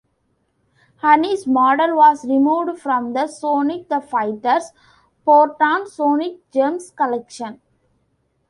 Honey's model was removed from the "Sonic the Fighters" port on "Sonic Gems Collection".